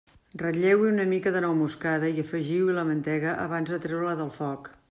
Ratlleu-hi una mica de nou moscada i afegiu-hi la mantega abans de treure-la del foc.